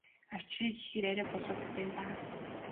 Авчиръя гэхээр арай болоогүй байна даа.